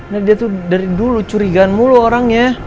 nah dia tuh dari dulu curigaan mulu orangnya